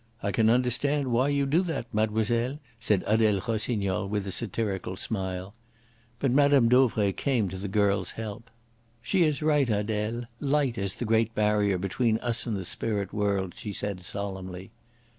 "I can understand why you do that, mademoiselle," said Adele Rossignol, with a satirical smile. But Mme. Dauvray came to the girl's help. "She is right, Adele. Light is the great barrier between us and the spirit world," she said solemnly.